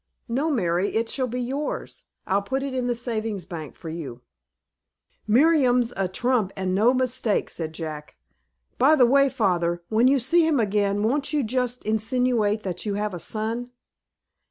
"No, Mary, it shall be yours. I'll put it in the Savings Bank for you." "Merriam's a trump, and no mistake," said Jack. "By the way, father, when you see him again, won't you just insinuate that you have a son?